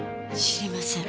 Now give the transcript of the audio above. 知りません。